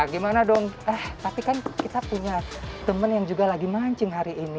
gimana dong eh tapi kan kita punya temen yang juga lagi mancing hari ini